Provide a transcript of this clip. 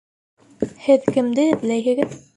Һеҙ кемде эҙләйһегеҙ?